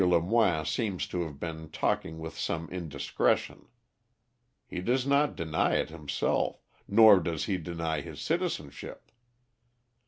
Lemoine seems to have been talking with some indiscretion. He does not deny it himself, nor does he deny his citizenship.